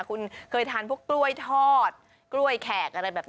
คุณเคยทานพวกกล้วยทอดกล้วยแขกอะไรแบบนี้